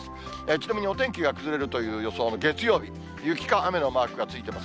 ちなみにお天気が崩れるという予想の月曜日、雪か雨のマークがついてます。